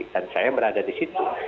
dan saya berada di situ